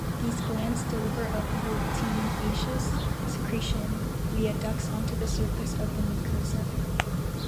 These glands deliver a proteinaceous secretion via ducts onto the surface of the mucosa.